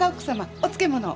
お漬物を。